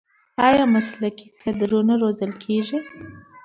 آیا مسلکي کادرونه روزل کیږي؟